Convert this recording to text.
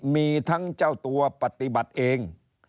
มีทั้งเจ้าตัวปฏิบัติเอง